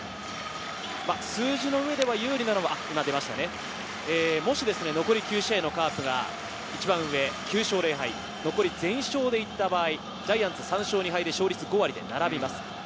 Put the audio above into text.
数字の上では有利なのは、もし残り９試合のカープが一番上、９勝０敗、残り全勝で行った場合、ジャイアンツ３勝２敗で勝率５割で並びます。